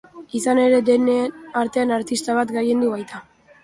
Izan ere, denen artean artista bat gailendu baita.